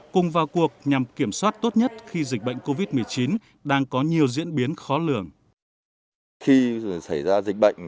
cùng vào cuộc nhằm kiểm soát tốt nhất khi dịch bệnh covid một mươi chín đang có nhiều diễn biến khó lường